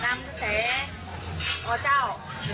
ทำให้ยอดเพิ่มขึ้นและคนก็รู้จักเรามากขึ้น